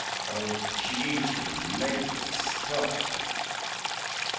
O Jesu, make it stop!